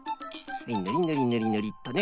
ぬりぬりぬりぬりっとね。